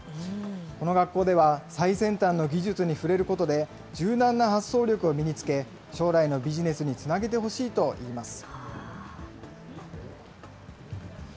この学校では最先端の技術に触れることで、柔軟な発想力を身につけ、将来のビジネスにつなげてほしいといいます。